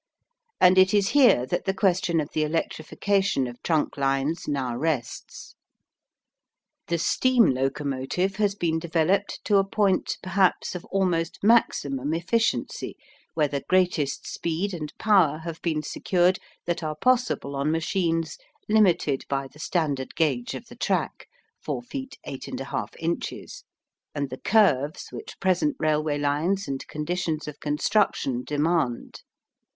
And it is here that the question of the electrification of trunk lines now rests. The steam locomotive has been developed to a point perhaps of almost maximum efficiency where the greatest speed and power have been secured that are possible on machines limited by the standard gauge of the track, 4 feet 8 1/2 inches, and the curves which present railway lines and conditions of construction demand.